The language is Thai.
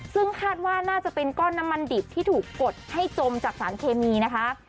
ซึ่งคาดว่าน่าจะเป็นก้อนน้ำมันดิบที่ถูกกดให้จมจากสารเคมีนะคะ